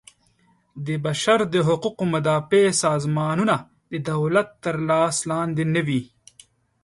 د بشر د حقوقو مدافع سازمانونه د دولت تر لاس لاندې نه وي.